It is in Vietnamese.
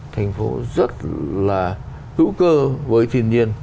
thành phố rất là hữu cơ với thiên nhiên